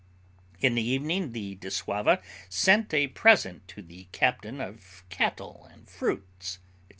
In the evening the dissauva sent a present to the captain of cattle and fruits, &c.